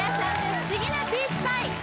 「不思議なピーチパイ」